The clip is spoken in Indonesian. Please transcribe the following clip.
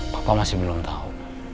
papa masih belum tau